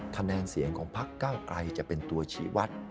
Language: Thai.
คะแนนเสียงของพักเก้าไกลจะเป็นตัวชีวัตร